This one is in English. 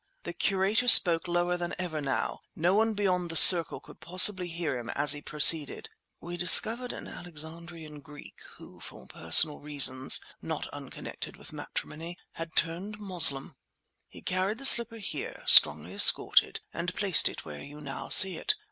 The curator spoke lower than ever now; no one beyond the circle could possibly hear him as he proceeded— "We discovered an Alexandrian Greek who, for personal reasons, not unconnected with matrimony, had turned Moslem! He carried the slipper here, strongly escorted, and placed it where you now see it.